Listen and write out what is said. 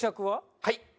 はい。